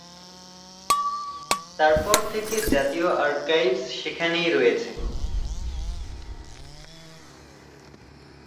তারপর থেকে জাতীয় আর্কাইভস সেখানেই রয়েছে।